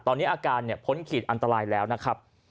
ตอนนี้อาการพ้นขีดอันตรายแล้วนะครับ